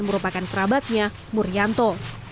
merupakan kerabatnya murianto